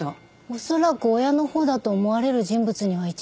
おそらく親の方だと思われる人物には一度。